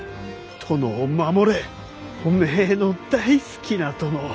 殿を守れおめえの大好きな殿を。